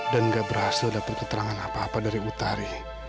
gak berhasil dapat keterangan apa apa dari utari